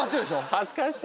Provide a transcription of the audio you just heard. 恥ずかしい。